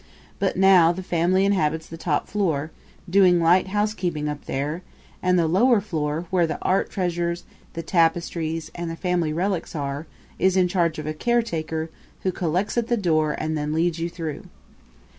But now the family inhabits the top floor, doing light housekeeping up there, and the lower floor, where the art treasures, the tapestries and the family relics are, is in charge of a caretaker, who collects at the door and then leads you through.